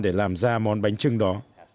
để làm ra món bánh trưng đó